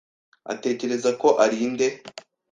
atekereza ko ari nde?